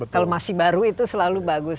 kalau masih baru itu selalu bagus